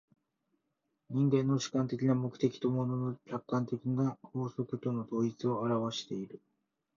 人間の主観的な目的と物の客観的な法則との統一を現わしている。